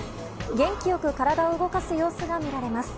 元気良く体を動かす様子が見られます。